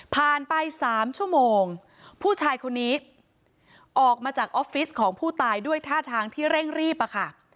ไป๓ชั่วโมงผู้ชายคนนี้ออกมาจากออฟฟิศของผู้ตายด้วยท่าทางที่เร่งรีบอะค่ะ